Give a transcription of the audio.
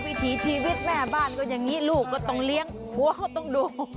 วิถีชีวิตแม่บ้านก็อย่างนี้ลูกก็ต้องเลี้ยงผัวก็ต้องดู